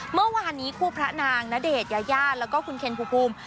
เมื่อวานนี้คู่พระนางณเดชน์ยายาแล้วก็คุณเคนภูมิ